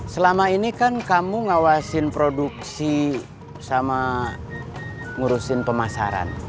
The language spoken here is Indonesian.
selama ini kan kamu ngawasin produksi sama ngurusin pemasaran